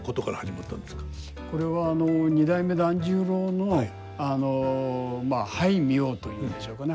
これは二代目團十郎の俳名というんでしょうかね